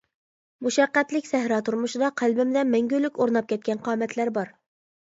مۇشەققەتلىك سەھرا تۇرمۇشىدا قەلبىمدە مەڭگۈلۈك ئورناپ كەتكەن قامەتلەر بار.